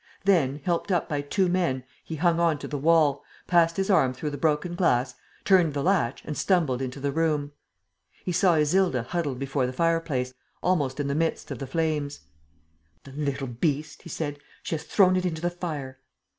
Then, helped up by two men, he hung on to the wall, passed his arm through the broken glass, turned the latch and stumbled into the room. He saw Isilda huddled before the fireplace, almost in the midst of the flames: "The little beast!" he said. "She has thrown it into the fire!"